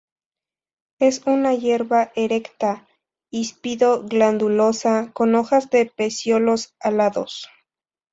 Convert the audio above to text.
Es una hierba erecta, híspido-glandulosa, con hojas de pecíolos alados.